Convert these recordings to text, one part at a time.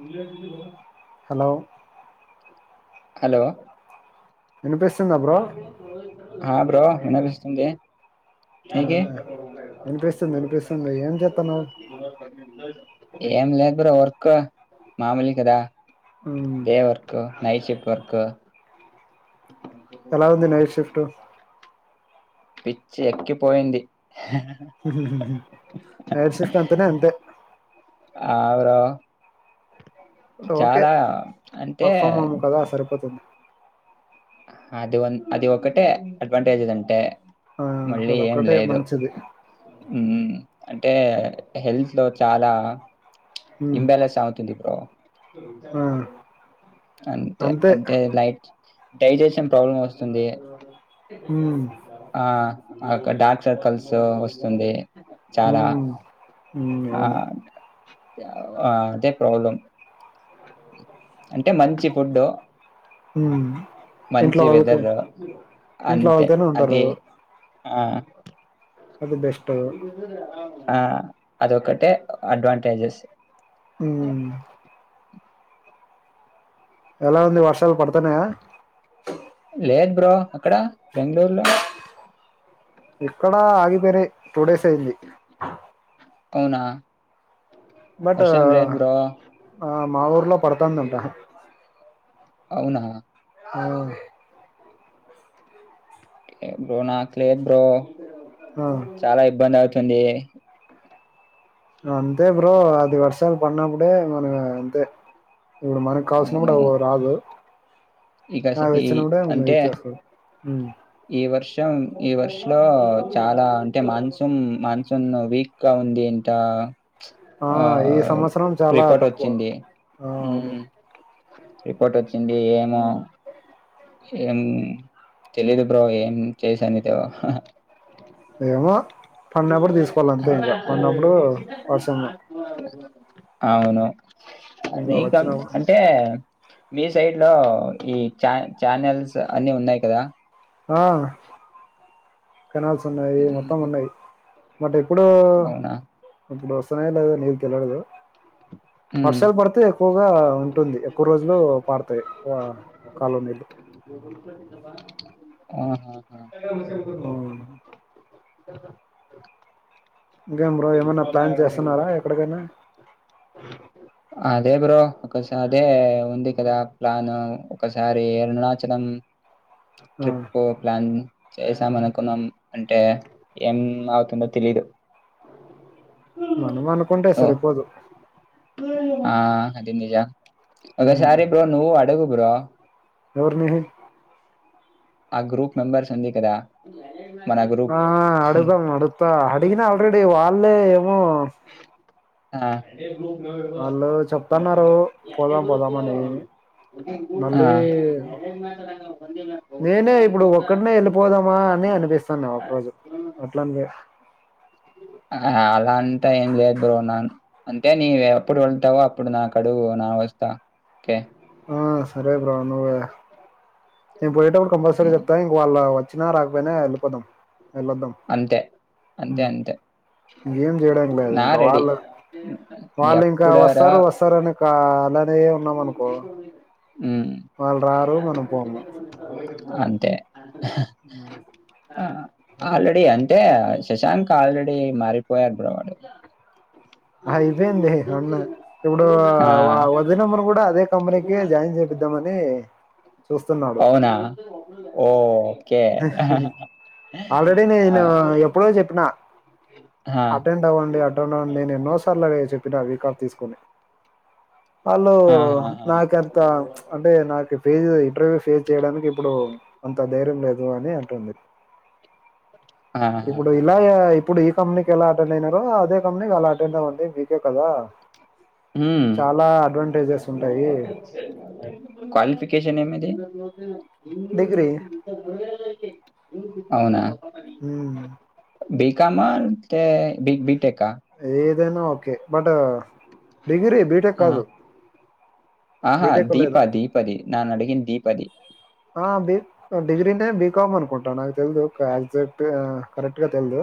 ఇ ఆఫీస్కి పోనా లో హలో వినిపిస్తుందా బ్రో ఆ బ్రో ఏనాపిస్తుందే ఆ ఓకే వినిపిస్తుంది వినిపిస్తుంది ఏం చేత్తన్నావ్ ఏం లేదు బ్రో వర్క్ మామోలే కదా మ్ డే వర్క్ నైట్షిఫ్ట్ వర్క్ ఎలా ఉంది నైట్ షిఫ్ట్ పిచ్చి ఎక్కిపోయింది హ్మ్ హ్మ్ నైట్ షిఫ్ట్ అంతనే అంతే ఆ ఓకే చాలా అంటే వర్క్ ఫ్రమ్ హోమ్ కదా సరిపోతుంది ఆదివాన్ అది ఒకటే అడ్వాంటేజ్ అంటే ఆ మళ్ళీ ఏం అదొక్కటే లేదు మంచిది హ్మ్ అంటే హెల్త్లో చాలా మ్ ఇబ్యాలెన్స్ అవుతుంది బ్రో ఆ అంతే అంటే లైట్ డైజెషన్ ప్రాబ్లంమే వస్తుంది మ్ ఆ అక్కడ డార్క్ సర్కిల్స్ వస్తుంది చాలా మ్ మ్ ఆ అవును ఆ అదే ప్రాబ్లం అంటే మంచి ఫుడ్ హ్మ్ మంచి వెథెర్ ఇంట్లో అంతే వాళ్ళతోనే ఉంటారు అది ఆ అది బెస్ట్ ఆ అదొక్కటే అడ్వాంటేజెస్ హమ్మ్ ఎలా ఉంది వర్షాలు పడతన్నాయ లేదు బ్రో అక్కడ బెంగళూరులో ఇక్కడ ఆగిపోనా డేస్ అయింది అవునా బట్ వర్షం లేదు బ్రో మా ఊర్లో పడతాందింటా అవునా ఆ ఎబ్రో నా కలే ఎబ్రో ఆ చాలా ఇబ్బంద స్తది అంతే బ్రో అది వర్షాలు పన్నప్పుడే మన అంతే ఇప్పుడు మనం కాసన అవును కూడా రాదు ఇక అవి ఈ వచ్చినప్పుడే మనం అంటే ఇచ్చేస్తాం ఉమ్. ఈ వర్ష కొం ఈ వర్ష లో చాలా అంటే మాన్సూన్ మాన్సూన్ వీక్ గా ఉంది ఇంత ఆ ఈ సంవత్సరం చాలా రిపోర్ట్ తక్కువ వచ్చింది ఆ అవును ఉమ్ రిపోర్ట్ వచ్చింది ఏమో ఏం తెలిదు బ్రో ఏం చేసాందిద ఏమో పడినప్పుడు తీసుకోవాలి [inaudible] అంతే ఇంకా పడినప్పుడు వర్షంలో అవును ఇంకా మీక వచ్చినప్పుడు అంటే మీ సైడ్ లో ఈ చా ఛానల్స్ అన్ని ఉన్నాయి కదా ఆ కనాల్స్ ఉన్నాయి మొత్తం ఉన్నాయి మ ఇప్పుడు అవునా ఇప్పుడు వస్తున్నాయి లేదా నీరు తెల్వదు ఉమ్ వర్షాలు పడితే ఎక్కువగా ఉంటుంది ఎక్కువ రోజులు పడతాయి కాలవులు ఆహా ఉమ్. ఇంకే బ్రో ఏమైనా ప్లాన్ చేస్తున్నారా ఎక్కడికైనా అదే బ్రో ఒకస అదే ఉంది కదా ప్లాన్ ఒకసారి అరుణాచలం ఆ, ట్రిప్ ప్లాన్ చేసాం అనుకున్నాం అంటే ఏం అవుతుందో తెలీదు మనం అనుకుంటే ఓ సరిపోదు ఆ అది నిజ ఒక ఉమ్, సారీ బ్రో నువ్వు అడుగు బ్రో ఎవరిని ఆ గ్రూప్ మెంబర్స్ అంది కదా మన గ్రూప్ ఆ అడుదాం అడుగుతా అడిగినా ఆల్రెడీ వాళ్ళే ఏమో ఆ ఆ వాళ్ళు చెప్తున్నారు పోదాం పోదామని మళ్ళీ అనే అనిపిస్తున్నా ఒక రోజు అట్లా ఆ అలా అంటా ఏం లేదు బ్రో నా అంతే నవ ఎప్పుడు వెళ్తావో అప్పుడు నా కడువు నా వస్తా కే ఆ, సరే బ్రో నువ్వే నేను పోయేటప్పుడు కంపల్సరీ ఉమ్, చెప్తా ఇంక వాళ్ళ వచ్చినా రా పోయిన ఏళ్లిపోదాం అంతే అంతే అంతే ఏం చేయడానికి నా ఇంకా రెడీ వాళ్ళ వాళ్ళు ఇంకా ఎప్పుడరా వస్తారు వస్తారు అని ఇంకా అలానే ఉన్నాం అనుకో మ్మ్ వాళ్ళు రారు మనం పోము అంతే అ ఆల్రెడీ అంటే శశాంక్ ఆల్రెడీ మారిపోయారు బ్రో వాడు ఆ అయ్యిపోయింది అన్న ఇప్పుడు ఆ వర్క్ హోమ్ కూడా అదే కంపెనీ క జాయిన్ చేపిద్దామని చూస్తున్నాడు అవునా ఓ కే ఆల్రెడీ ఆ నేను ఎప్పుడో చెప్పిన ఆ! అటెండ్ అవ్వండి అటెండ్ అవ్వండి నేను ఎన్నోసార్లు అ చెప్పినా వీకా ఆఫ్ తీసుకుని వాళ్ళు ఆ! ఆహాహా! నాకంత అంటే నాకు ఫేస్ ఇంటర్వ్యూ ఫేస్ చేయడానికి ఇప్పుడు అంత ధైర్యం లేదు అని అంటుంది ఇప్పుడు ఇలా ఆహాహాహా! ఇప్పుడు ఈ కంపెనీకి ఎలా అటెండ్ అయినారో అదే కంపెనీకి అలా అటెండ్ అవ్వండి మీ కదా చాలా అడ్వాంటేజెస్ ఉన్నా క్వాలిఫికషన్ ఏమిది డిగ్రీ అవునా హ బి కమల్ అంటే బి బిటెక్ ఏదైనా ఓకే బట్ డిగ్రీ బీటెక్ ఆ! కాదు ఆహా బీటెక్ లేదు. దీపా దీపది నాను అడిగిన దీపది ఆ బి డిగ్రీనేే బీకామ్ అనుకుంటాను నాకు తెలిదు ఎగ్జాక్ట్ కరెక్ట్గా తెలిదు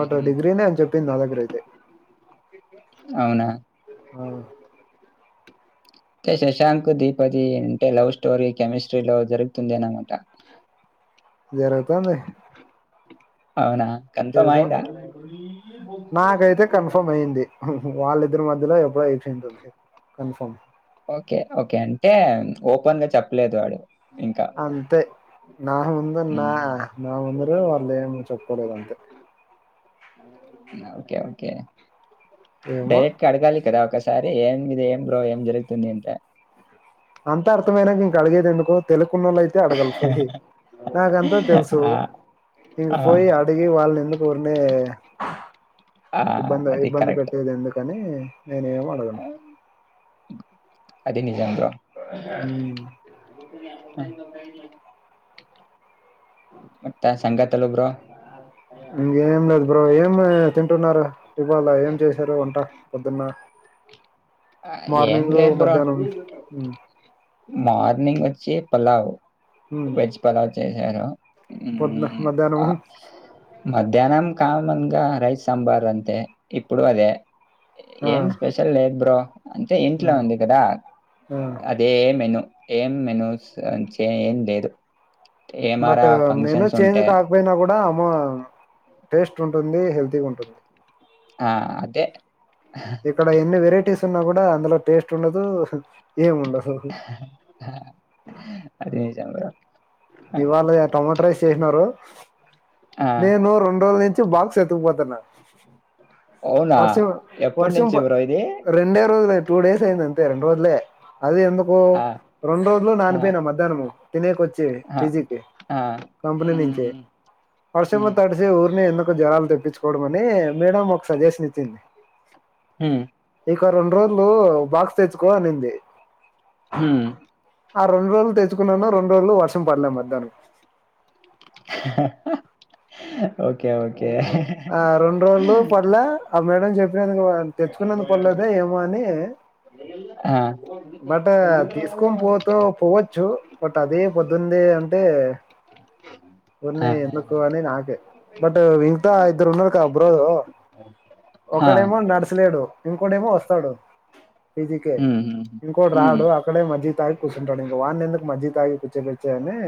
బట్ డిగ్రీనే అని చెప్పింది నా దగ్గర అయితే అవునా? ఆ అే శశాంక్ దీపతి అంటే లవ్ స్టోరీ కెమిస్ట్రీ లో జరుగుతుందిని అనమాట జరుగుతుంది అవునా కన్ఫర్మ్ ఏదో అయిందా? నాకైతే కన్ఫర్మ్ అయింది వాళ్ళిద్దరి మధ్యలో ఎప్పుడో అయిపొయింది అది కన్ఫామ్ ఓకే ఓకే అంటే ఓపెన్ గా చెప్పలేదు వాడు ఇంకా. అంతే నా ముంద నా హుహు. నా ముందర వాళ్ళు ఏం చెప్పుకోలేదు అంతే ఓకే ఓకే ఏమో డైరెక్ట్ అడగాలి కదా ఒకసారి ఏం మీదీ ఏం బ్రో ఏం జరుగుతుంది అంటే అంత అర్థమయినా ఇంకా అడిగేది ఎందుకు తెలు కొన్నోళ్ళు అయితే అడగలి పోయి నాకంతా తెలుసు ఆ! ఇక ఆ! పోయి అడుగి వాళ్ళనిందుకు అంటే ఆ! ఇబ్బంది అది ఇబ్బంది కరెక్ట్. పెట్టేది ఎందుకని నేను ఏం అడగను అది నిజం బ్రో మ్మ్. మత్త సంగతిలు బ్రో ఇంకేం లేదు బ్రో ఏం తింటున్నారు ఇవాల ఏం చేశారు వంట పొద్దున్న ఆ ఏం మార్నింగ్ లేదు బ్రో మధ్యాహ్నం మ్మ్. మార్నింగ్ వచ్చి పలావ్ మ్మ్. వెజ్ పలావ్ చేసారు పొద్దున మధ్యాహ్నము మధ్యాహ్నం కామన్ గా రైస్ సాంబార్ అంతే ఇప్పుడు అదే ఆ, ఏం స్పెషల్ లేదు బ్రో అంటే ఆ, ఇంట్లో ఉంది కదా ఆ. అదే మెను ఏం మెనుస్ చే ఏం లేదు బట్ ఏమారా నేను ఫంక్షన్స్ చేేంజ్ ఉంటే కాకపోయినా కూడా వ టేస్ట్ ఉంటుంది హెల్తీగా ఉంటుంది ఆ అదే ఇక్కడ ఎన్ని వెరైటీస్ ఉన్నా కూడా అందులో టేస్ట్ ఉండదు ఏమ్ ఉండదు అది నిజం బ్రో. ఇవాళ టొమాటో రేస్ చేసినారు ఆ! నేను రెండు రోజుల నుంచి బాక్స్ ఎత్తుకుపోతాన్నా అవునా? వర్ష ఎప్పటి వర్షం నుంచి ప బ్రో ఇది? రెండే రోజులు టూ డేస్ అయింది అంతే రెండు రోజులే అది ఎందుకు ఆ! రెండు రోజులు ఆ! నానిపోయిన మధ్యాహ్నము తినేక వచ్చి ఆ! పిజీకి ఆ! కంపెనీ హ్మ్. హ్మ్. నుంచే వర్షంలో హ్మ్. తడిచి ఊరికినే ఎందుకు జ్వరాలు తెప్పించు చోడు మనీ మేడమ్ ఒక సజెషన్ ఇచ్చింది హ్మ్. ఇక రెండు రోజులు బాక్స్ తెచ్చుకో అనింది హ్మ్ ఆ రెండు రోజులు తెచ్చుకున్నాన్నా రెండు రోజులు వర్షం పడలే మధ్యానం ఓకే ఓ ఆ రెండు రోజులు పడ్ల ఆ మేడం చెప్ నుకద తెచ్చుకున్నందు పడలేదా ఏమో అని ఆ! బట్ తీసుకొని పోతూ పోవచ్చు బట్ అదే పొద్దుంది అంటే కొన్ని ఆ! ఎందుకు అని నాకే బట్ ఇంకా ఇద్దరు ఉన్నారు కా బ్రో ఆ! ఒక్కడేమో నర్సుగాడు ఇంకోటేమో వస్తాడు పీజకే హ్మ్. హ్మ్. ఇంకోటి హ్మ్. రాడు అక్కడే మజ్జిగ తాగి కూర్చుంటాడు ఇంగ వాడినీ ఎందుకు మజ్జిగ తాగి కూర్చ చ్చచ్చని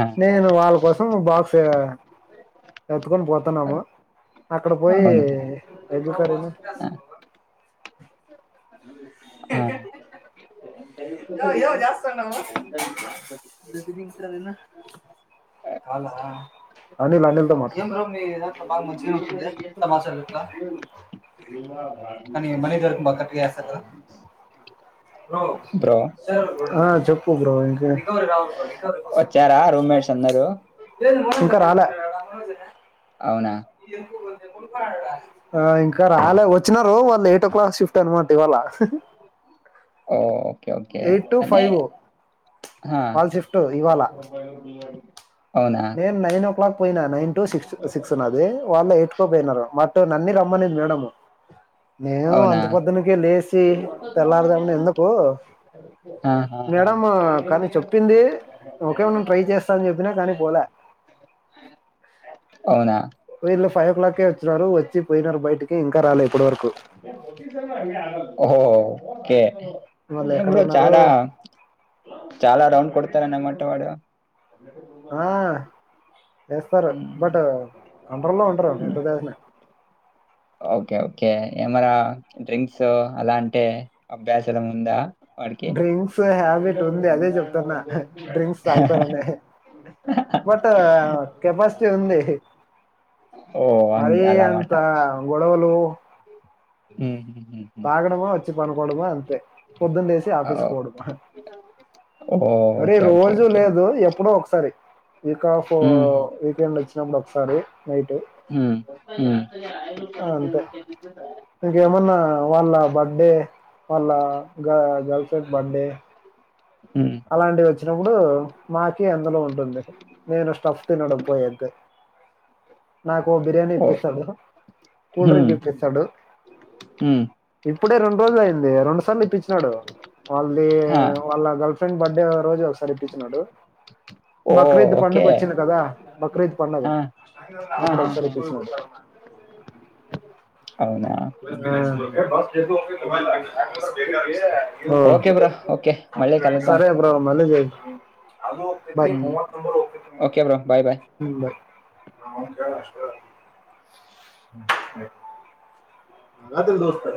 ఆ! నేను వాళ్ళ కోసం బాక్స్ ఎత్తుకొని పోతున్నాము అక్కడ పోయి అవునా? ఎగ్ కర్రీని ఆ! ఆ! ఎక ఏవో చేస్తానవు అలా అనిల్ అనిల్ తో మాట్లాడు మీ బాగా మంచి చదువుతుందా కానీ మహిగారికి బ్రో బ్రో ఆ చెప్పు బ్రో ఇంక వచ్చారా రూమ్మేట్స్ అందరూ ఇంకా రాలే అవునా ఆ ఇంకా రాలే వచ్చినారు వాళ్ళు ఎయిటో క్లాక్ షిఫ్ట్ అనమా ఇవాళ్ళ ఓహ్! ఓకే ఓకే అని హా వాళ్ళ షిఫ్ట్ ఇవాళ నేను నైన్ ఓ క్లాక్ పోయినా నైన్ టు సిక్స్ సిక్స్ ఉన్నది వాళ్ళు ఎయిట్కో పోయినరు నను రమనింది మేడము నేను ఏమో అవునా? అంత పొద్దునికి లేచి తెల్లారు జామున ఎందుకు ఆహాహా! మేడమ్ కానీ చెప్తుంది ఒకే నెన్ ట్రై చేస్తా అని చెప్పినా కానీ పోలే అవునా ఇంట్లోకి ఫైర్లెక్క వచ్చినారు వచ్చి పోయినారు బయటకి ఇంకా రాలే ఇప్పటి వరకు ఓహోకే వాళ్ళు ఎక్కడ ఎంద్రో ఉన్నారో చాలా చాలా రౌండ్ కొడతారానామాట వాడు ఎస్తారు ఉమ్. బట్ కంట్రోల్లో ఉంటరు ఉమ్. ఎంత చేసిన ఓకే ఓకే ఏమరా డ్రింక్స్ అలాంటే అభ్యాసలముందా డ్రింక్స్ హ్యాబిట్ ఉంది అదే చెప్తాన్నా డ్రింక్స్ తాగుతారనే బట్ కెపాసిటీ ఉంది ఓ అంగి మరి అలా అంత గొడవలు ఉహు తాగడమా వచ్చి పనుకోవడమా అంతే పొద్దున్నేసి ఓ ఆఫీస్ పోడమా ఓ, మరి ఓకే ఓకే రోజూ ఓకే లేదు ఎప్పుడో ఒకసారి వీక్ ఆఫ్ ఉమ్, వీకెండ్ వచ్చినప్పుడు ఒకసారి నైట్ ఉమ్, ఉమ్, అంతే ఇంకేమన్నా వాళ్ళ బ బడే మలా గ గర్ఫెడ్ బడ్డే ఉమ్. అలాంటివి వచ్ వచ్చినప్పుడు మాకి అందులో ఉంటుంది నేను స్టఫ్ తినడ పోయేద్ది నాకు బిర్యానీ ఓ ఇప్పిస్తాడు కూల్ ఉమ్, డ్రింక్ ఇప్పిస్తాడు ఉమ్. ఇప్పుడే రెండు రోజులు అయింది రెండు సార్లు ఇప్పించినాడు వాళ్ళది ఆ, వాళ్ళ గల్ఫ్ ఫ్రెండ్ బర్త్డే రోజు ఒక సారి ఇపించినాడు ఓ బక్రీద్ ఓకే పండుగోచ్చింది కదా బక్రీద్ పండుగ ఆ, ఆ, అప్పుడు ఒకసారి ఇప్పించాడు అ ఆ ఉమ్. ఆ ఓకే బ్రో ఓకే మళ్ళీ కలుద్దాం సరే బ్రో మళ్ళీ చెయ్ బాయ్ ఉమ్, ఉ okay bro bye bye bye రాతిరి దోస్తే